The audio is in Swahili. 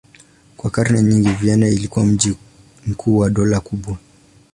Kwa karne nyingi Vienna ilikuwa mji mkuu wa dola kubwa.